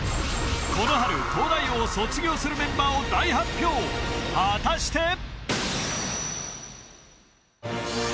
この春東大王を卒業するメンバーを大発表果たして？